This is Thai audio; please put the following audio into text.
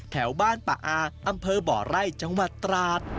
แถวบ้านปะอาอำเภอบ่อไร่จังหวัดตราด